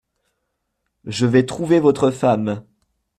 Je vais trouver votre femme !